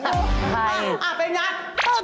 ใครอ้าวเป็นอย่างไรนะ